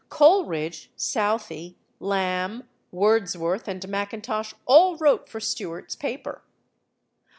Coleridge, Southey, Lamb, Wordsworth, and Mackintosh all wrote for Stuart's paper.